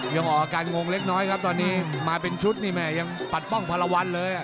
ยังออกอาการงงเล็กน้อยครับตอนนี้มาเป็นชุดนี่แม่ยังปัดป้องพลวันเลย